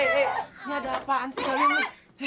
eh eh eh ini ada apaan sih kali ini